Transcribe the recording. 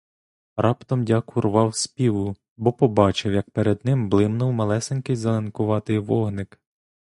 Раптом дяк урвав співу, бо побачив, як перед ним блимнув малесенький зеленкуватий вогник.